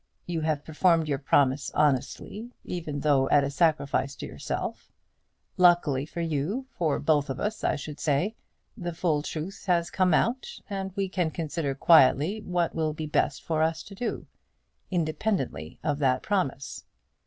You have performed your promise honestly, even though at a sacrifice to yourself. Luckily for you, for both of us, I should say, the full truth has come out; and we can consider quietly what will be best for us to do, independently of that promise.